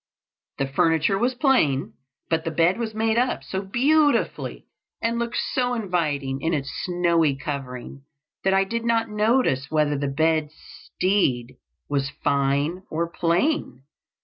The furniture was plain, but the bed was made up so beautifully, and looked so inviting in its snowy covering that I did not notice whether the bedstead was fine or plain.